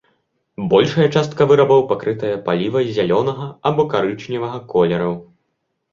Большая частка вырабаў пакрытая палівай зялёнага або карычневага колераў.